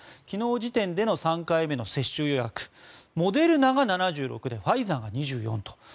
昨日時点での３回目の接種予約モデルナが７６でファイザーが２４と。